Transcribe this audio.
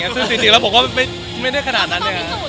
ซึ่งจริงแล้วไม่ได้ขนาดนั้น